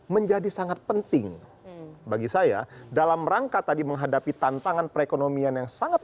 menjadi sangat penting bagi saya dalam rangka tadi menghadapi tantangan perekonomian yang sangat